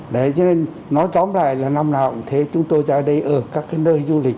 để cho nên nói tóm lại là năm nào cũng thế chúng tôi ra đây ở các cái nơi du lịch